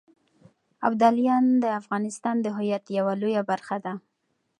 ابداليان د افغانستان د هویت يوه لويه برخه ده.